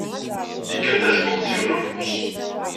Yekkat tajewwaqt s yiwen ufus.